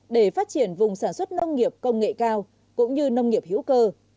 để phát triển vùng sản xuất nông nghiệp công nghệ cao cũng như nông nghiệp hữu cơ